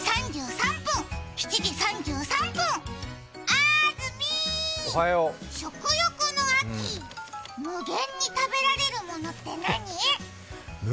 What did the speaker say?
あーずみー、食欲の秋、無限に食べられるものって何？